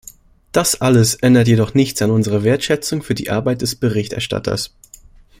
Das alles ändert jedoch nichts an unserer Wertschätzung für die Arbeit des Berichterstatters.